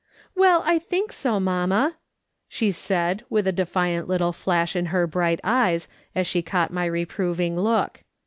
" Well, I think so, mamma/' she said, with a defiant little flash in her bright eyes, as she caught my reproving look.